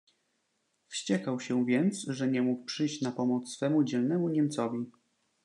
"Wściekał się więc, że nie mógł przyjść na pomoc swemu dzielnemu niemcowi."